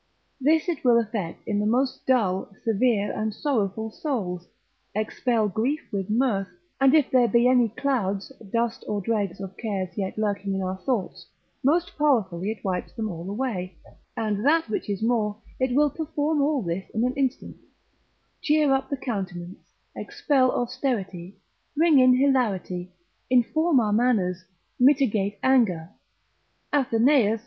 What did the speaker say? This it will effect in the most dull, severe and sorrowful souls, expel grief with mirth, and if there be any clouds, dust, or dregs of cares yet lurking in our thoughts, most powerfully it wipes them all away, Salisbur. polit. lib. 1. cap. 6. and that which is more, it will perform all this in an instant: Cheer up the countenance, expel austerity, bring in hilarity (Girald. Camb. cap. 12. Topog. Hiber.) inform our manners, mitigate anger; Athenaeus (Dipnosophist. lib. 14.